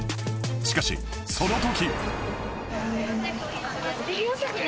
しかしその時！